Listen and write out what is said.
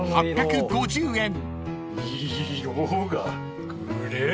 色がグレー。